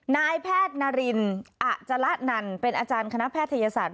นายแพทย์นารินอัจจละนันเป็นอาจารย์คณะแพทยศาสตร์